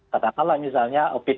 katakanlah misalnya p tiga